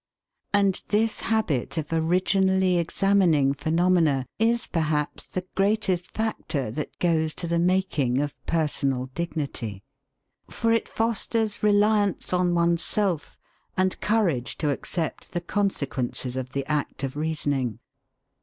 And this habit of originally examining phenomena is perhaps the greatest factor that goes to the making of personal dignity; for it fosters reliance on one's self and courage to accept the consequences of the act of reasoning.